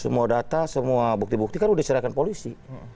semua data semua bukti bukti kan sudah diserahkan polisi